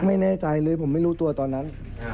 ไม่แน่ใจเลยผมไม่รู้ตัวตอนนั้น